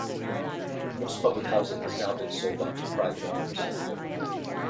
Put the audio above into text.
Most public housing has now been sold off to private owners.